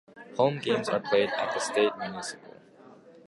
Home games are played at the Stade Municipal.